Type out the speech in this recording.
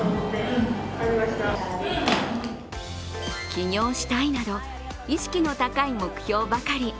起業したいなど意識の高い目標ばかり。